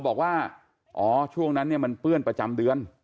บอกว่าอ๋อช่วงนั้นเนี่ยมันเปื้อนประจำเดือน